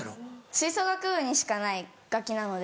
吹奏楽部にしかない楽器なので。